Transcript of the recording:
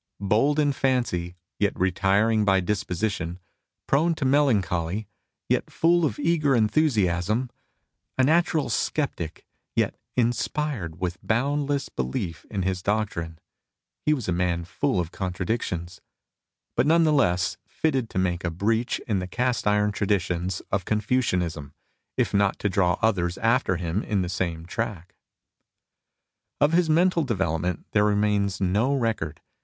Bold in fancy yet retiring by dis position, prone to melancholy yet full of eager enthusiasm, a natural sceptic yet inspired with boundless belief in his doctrine, he was a man full of contradictions, but none the less fitted to make a breach in the cast iron traditions of Confucianism, if not to draw others after him in the same track. Of his mental development there remains no record.